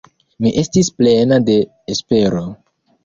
Mi estis plena de espero.